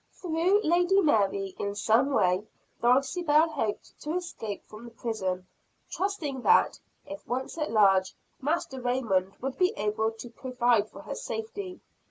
Through Lady Mary, in some way, Dulcibel hoped to escape from the prison; trusting that, if once at large, Master Raymond would be able to provide for her safety.